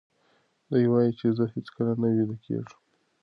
دی وایي چې زه هیڅکله نه ویده کېږم.